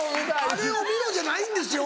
「あれを見ろ」じゃないんですよ